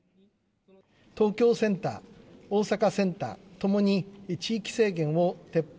東京センター、大阪センターともに地域制限を撤廃。